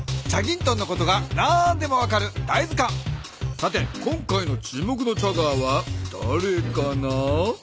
さて今回の注目のチャガーはだれかな？